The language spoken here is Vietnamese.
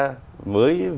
cái việc gian đe